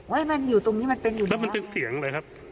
เฮ้ยมันอยู่ตรงนี้มันเป็นอยู่แล้วนะครับแล้วมันเป็นเสียงอะไรครับ